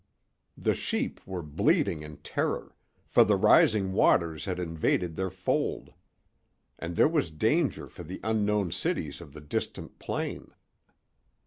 The sheep were bleating in terror, for the rising waters had invaded their fold. And there was danger for the unknown cities of the distant plain.